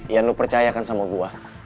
yan lo percayakan sama gue